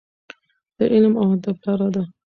د علم او ادب لاره.